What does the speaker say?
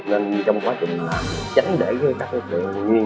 thì chúng ta sẽ mắc dấu vết tiếp